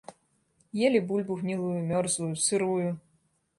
Елі бульбу гнілую, мёрзлую, сырую.